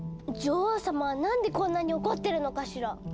女王様はなんでこんなに怒ってるのかしら？